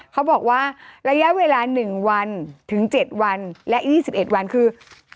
เขาบอกว่าระยะเวลา๑วันถึง๗วันและ๒๑วันคือ